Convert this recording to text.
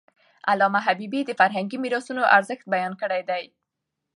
علامه حبيبي د فرهنګي میراثونو ارزښت بیان کړی دی.